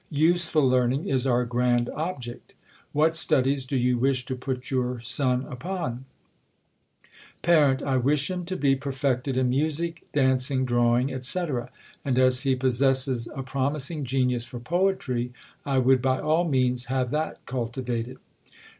Useful learning is our grand object. What studies do you wish to put your son upon ? Par, I wish him to be perfected in music, dancing, drawing, Sic, and as he possesses a promising genius for poetry, I would by all means have that cultivated.